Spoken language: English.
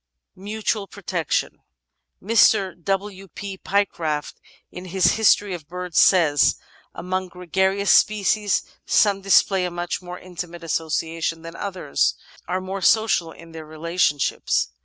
Mutual Protection Mr. W. P. Pycraf t, in his History of Birds, says : "Among gregarious species some display a much more intimate association 414 The Outline of Science than others — ^are more social in their relationships.